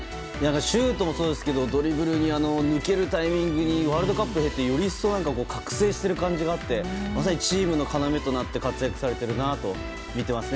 シュートもそうですけどドリブルで抜けるタイミングにワールドカップを経てより一層覚醒している感じがあってまさにチームの要となって活躍されてるなと思って見てますね。